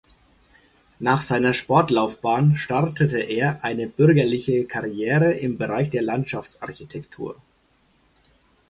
Nach seiner Sportlaufbahn startete er eine „bürgerliche“ Karriere im Bereich der Landschaftsarchitektur.